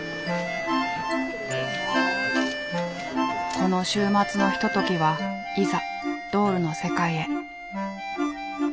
この週末のひとときはいざドールの世界へ。